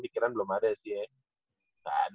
pikiran belum ada sih ya